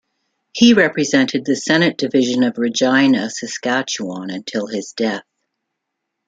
He represented the Senate division of Regina, Saskatchewan until his death.